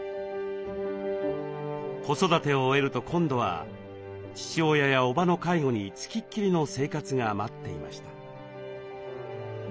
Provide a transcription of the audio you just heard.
子育てを終えると今度は父親やおばの介護に付きっきりの生活が待っていました。